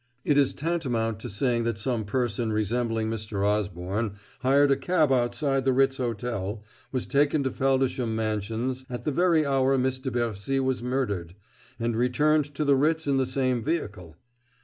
"It is tantamount to saying that some person resembling Mr. Osborne hired a cab outside the Ritz Hotel, was taken to Feldisham Mansions at the very hour Miss de Bercy was murdered, and returned to the Ritz in the same vehicle."